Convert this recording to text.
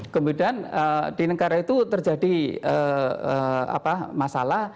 kemudian di negara itu terjadi masalah